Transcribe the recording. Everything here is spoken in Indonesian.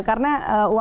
karena uang tersebut